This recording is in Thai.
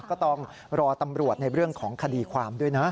ก็ต้องรอตำรวจในเรื่องของคดีความด้วยนะ